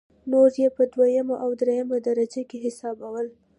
نور یې په دویمه او درېمه درجه کې حسابول.